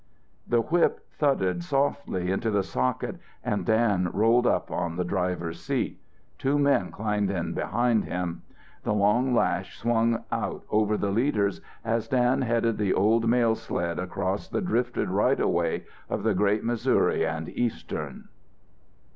The whip thudded softly into the socket and Dan rolled up on the driver's seat. Two men climbed in behind him. The long lash swung out over the leaders as Dan headed the old mail sled across the drifted right of way of the Great Missouri and Eastern.